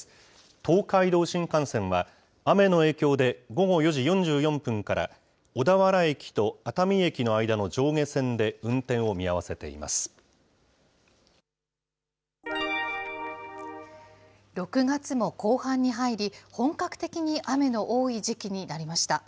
東海道新幹線は、雨の影響で午後４時４４分から小田原駅と熱海駅の間の上下線で運６月も後半に入り、本格的に雨の多い時期になりました。